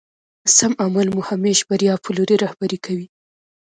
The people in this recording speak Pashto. سم عمل مو همېش بريا په لوري رهبري کوي.